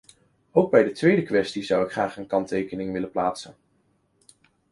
Ook bij de tweede kwestie zou ik graag een kanttekening willen plaatsen.